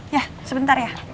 ya sebentar ya